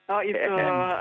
oh itu berjemur